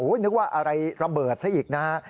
นึกว่าอะไรระเบิดซะอีกนะฮะ